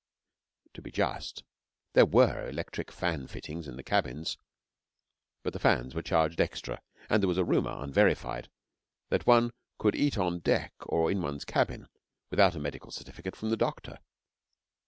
To be just, there were electric fan fittings in the cabins, but the fans were charged extra; and there was a rumour, unverified, that one could eat on deck or in one's cabin without a medical certificate from the doctor.